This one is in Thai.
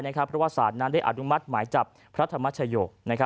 เพราะว่าศาลนั้นได้อนุมัติหมายจับพระธรรมชโยค